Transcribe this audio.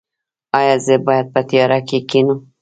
ایا زه باید په تیاره کې کینم؟